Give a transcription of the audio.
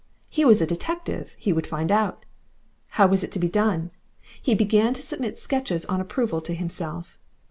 He was a detective! he would find out. How was it to be done? He began to submit sketches on approval to himself.